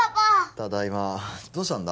ただいまどうしたんだ？